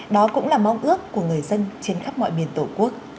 đó cũng là mong ước của người dân trên khắp mọi miền tổ quốc